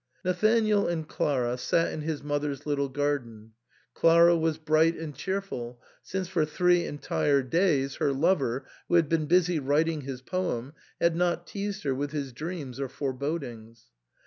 Nathanael and Clara sat in his mother's little garden. Clara was bright and cheerful, since for three entire days her lover, who had been busy writing his poem, had not teased her with his dreams or forebodings.